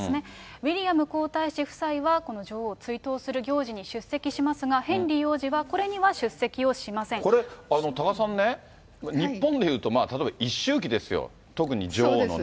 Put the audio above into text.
ウィリアム皇太子夫妻は、この女王を追悼する行事に出席しますが、ヘンリー王子はこれにはこれ、多賀さんね、日本でいうと、例えば一周忌ですよ、特に女王のね。